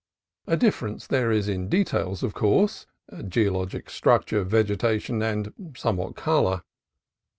A difference there is in details, of course, — geologic structure, vegetation, and, somewhat, color.